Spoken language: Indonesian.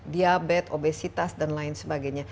diabetes obesitas dan lain sebagainya